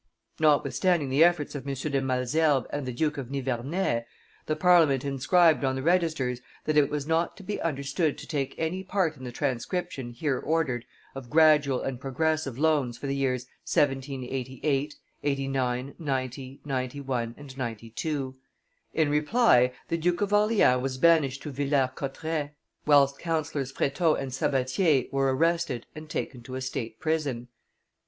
Notwithstanding the efforts of M. de Malesherbes and the Duke of Nivernais, the Parliament inscribed on the registers that it was not to be understood to take any part in the transcription here ordered of gradual and progressive loans for the years 1788, 1789, 1790, 1791, and 1792. In reply, the Duke of Orleans was banished to Villers Cotterets, whilst Councillors Freteau and Sabatier were arrested and taken to a state prison.